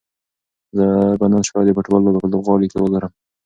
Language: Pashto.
زه به نن شپه د فوټبال لوبه په لوبغالي کې وګورم.